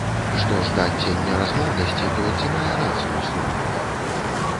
Што ж да адцення размоўнасці, то ці мае рацыю слоўнік?